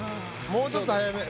もうちょっと早め。